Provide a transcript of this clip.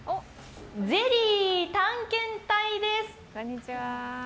ゼリー探検隊です。